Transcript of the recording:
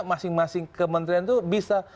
masing masing kementerian itu bisa